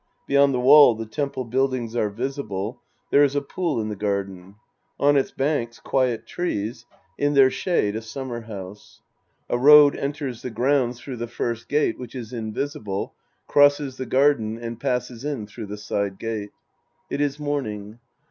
Beyond the wall the temple buildings are visible. There is a pool in the garden. On its banks, quiet trees; in their shade, a summer house. A road enters the grounds through Sc. I The Priest and His Disciples 215 the first gate, which is invisible, crosses the garden and passes in through the side gate. It is morning.